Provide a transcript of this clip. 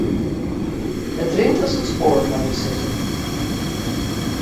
It rint as it spoar moat ik sizze.